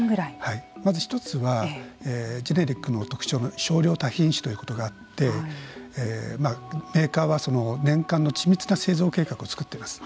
まず１つはジェネリックの特徴の少量多品種ということがあってメーカーは年間の緻密な製造計画を作っています。